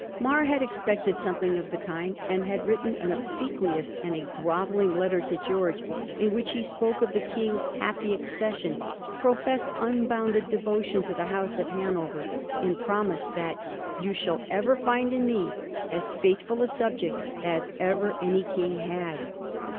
Mar had expected something of the kind, and had written an obsequious and a grovelling letter to Greorge, in which he spoke of the King's ' happy accession,' pro fessed unbounded devotion to the House of Hanover, and promised that ' You shall ever find in me as fedthfrd a subject as ever any king had.'